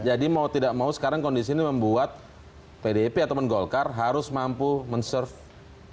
jadi mau tidak mau sekarang kondisi ini membuat pdip atau men golkar harus mampu men serve jokowi